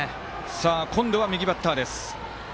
今度は右バッターです。